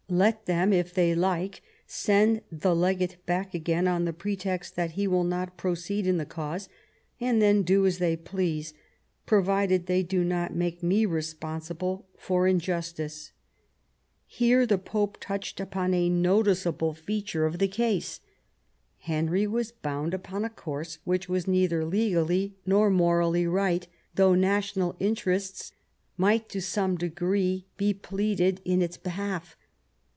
Let them, if they like, send the legate back again, on the pretext that he will not proceed in the cause, and then do as they please, provided they do not make me responsible for injustice." Here the Pope touched upon a noticeable feature of IX THE KING'S DIVORCE 173 the case. Henry was bound upon a course which was neither legally nor morally right, though national interests might to some degree be pleaded in its behalf.